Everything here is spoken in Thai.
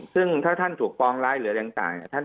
ซึ่งถ้าท่านถูกปองร้ายหรืออะไรอย่างต่าง